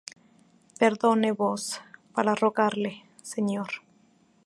perdone vos, para rogarle, señor...